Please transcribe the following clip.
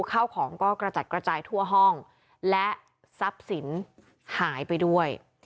ข้าวของก็กระจัดกระจายทั่วห้องและทรัพย์สินหายไปด้วย